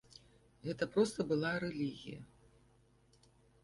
Гэта проста была рэлігія!